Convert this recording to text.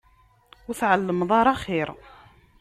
Ur tεellmeḍ ara axir.